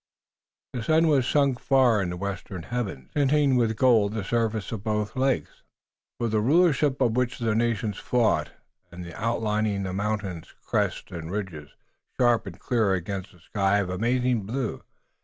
The sun was sunk far in the western heavens, tinting with gold the surface of both lakes, for the rulership of which the nations fought, and outlining the mountains, crests and ridges, sharp and clear against a sky of amazing blue.